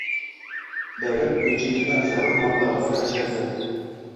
Davlat byudjetidan zarur mablag‘lar ajratiladi.